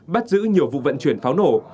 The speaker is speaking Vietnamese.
bắt giữ nhiều vụ vận chuyển pháo nổ